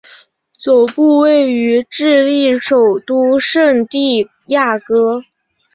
总部位于智利首都圣地亚哥。